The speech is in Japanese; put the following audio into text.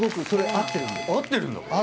合ってるんだ！